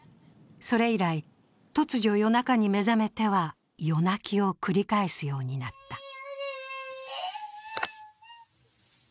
それ以来、突如、夜中に目覚めては夜泣きを繰り返すようになった。